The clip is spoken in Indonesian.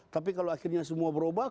tapi kalau akhirnya semua berobat